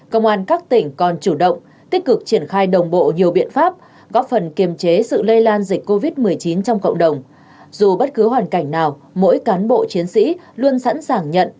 cảm ơn các bạn đã theo dõi và hãy đăng ký kênh để ủng hộ kênh của chúng mình nhé